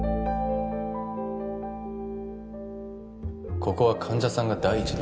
ここは患者さんが第一だ